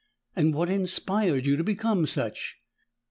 "And what inspired you to become such?"